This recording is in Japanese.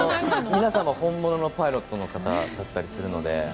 皆さん本当のパイロットの方だったりもするので。